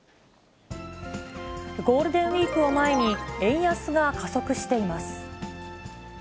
ゴールデンウィークを前に、円安が加速しています。